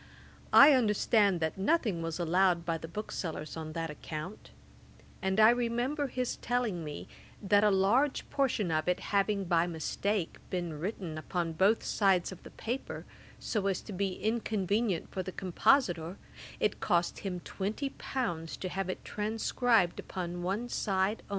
I understand that nothing was allowed by the booksellers on that account; and I remember his telling me, that a large portion of it having by mistake been written upon both sides of the paper, so as to be inconvenient for the compositor, it cost him twenty pounds to have it transcribed upon one side only.